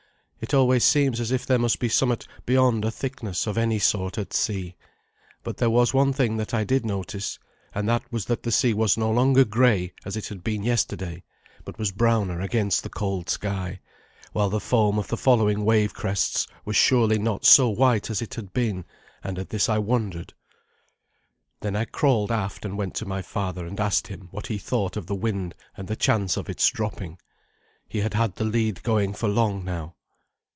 It always seems as if there must be somewhat beyond a thickness of any sort at sea. But there was one thing that I did notice, and that was that the sea was no longer grey, as it had been yesterday, but was browner against the cold sky, while the foam of the following wave crests was surely not so white as it had been, and at this I wondered. Then I crawled aft and went to my father and asked him what he thought of the wind and the chance of its dropping. He had had the lead going for long now.